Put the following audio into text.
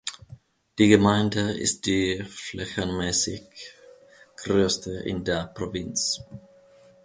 Die Gemeinde ist die flächenmäßig größte in der Provinz.